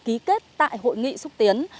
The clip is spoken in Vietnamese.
ký kết tại hội nghị xúc tiến